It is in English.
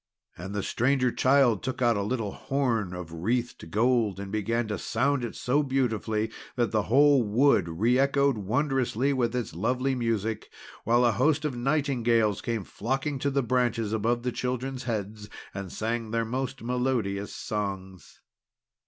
And the Stranger Child took out a little horn of wreathed gold, and began to sound it so beautifully that the whole wood reëchoed wondrously with its lovely music; while a host of nightingales came flocking to the branches above the children's heads, and sang their most melodious songs.